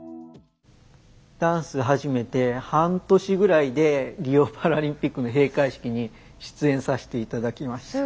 ダンス始めて半年ぐらいでリオパラリンピックの閉会式に出演させて頂きました。